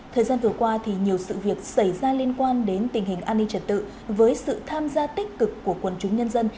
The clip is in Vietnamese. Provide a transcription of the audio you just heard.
thời gian vừa qua thì nhiều sự việc xảy ra liên quan đến tình hình an ninh trật tự với sự tham gia tích cực của quần chúng nhân dân